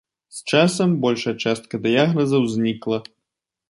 З часам большая частка дыягназаў знікла.